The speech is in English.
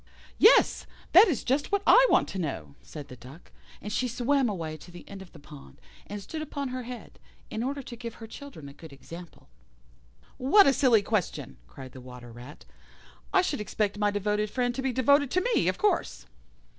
"Yes, that is just what I want to know," said the Duck; and she swam away to the end of the pond, and stood upon her head, in order to give her children a good example. "What a silly question!" cried the Water rat. "I should expect my devoted friend to be devoted to me, of course."